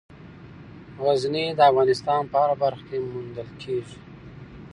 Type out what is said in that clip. غزني د افغانستان په هره برخه کې موندل کېږي.